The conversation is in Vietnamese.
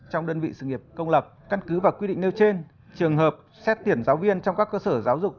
trong đơn vị sự nghiệp công lập căn cứ và quy định nêu trên trường hợp xét tuyển giáo viên trong các cơ sở giáo dục